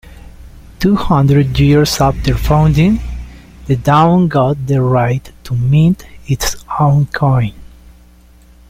Two hundred years after founding, the town got the right to mint its own coin.